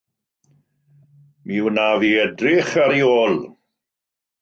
Mi wnaf i edrych ar ei ôl.